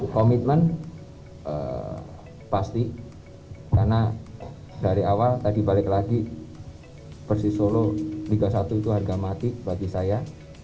komitmen pasti karena dari awal tadi balik lagi persis solo liga satu itu harga mati bagi saya